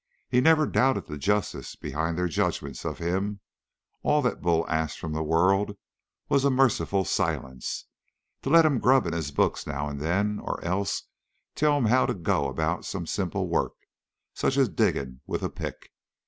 He never doubted the justice behind their judgments of him; all that Bull asked from the world was a merciful silence to let him grub in his books now and then, or else to tell him how to go about some simple work, such as digging with a pick.